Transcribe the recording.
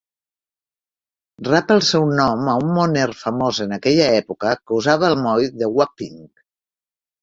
Rep el seu nom a un moner famós en aquella època que usava el moll de Wapping.